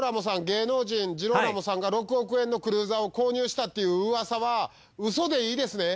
芸能人ジローラモさんが６億円のクルーザーを購入したっていう噂は嘘でいいですね？